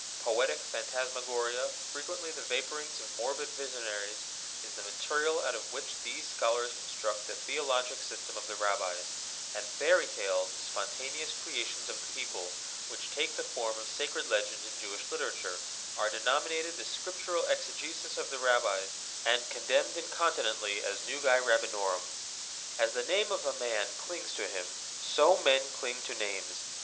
Poetic phantasmagoria, frequently the vaporings of morbid visionaries, is the material out of which these scholars construct the theologic system of the Rabbis, and fairy tales, the spontaneous creations of the people, which take the form of sacred legend in Jewish literature, are denominated the Scriptural exegesis of the Rabbis, and condemned incontinently as nugae rabbinorum. As the name of a man clings to him, so men cling to names.